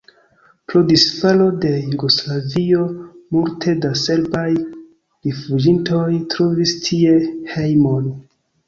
Pro disfalo de Jugoslavio multe da serbaj rifuĝintoj trovis tie hejmon.